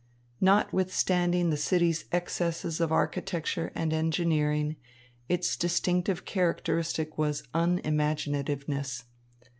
Notwithstanding the city's excesses of architecture and engineering, its distinctive characteristic was unimaginativeness.